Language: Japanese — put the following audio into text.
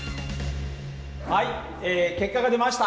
はい結果が出ました。